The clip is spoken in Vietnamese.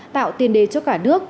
tạo tiền đề cho cả nước